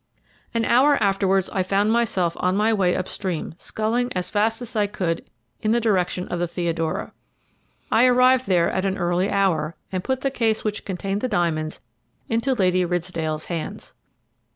An hour afterwards I found myself on my way up stream sculling as fast as I could in the direction of the Theodora. I arrived there at an early hour, and put the case which contained the diamonds into Lady Ridsdale's hands.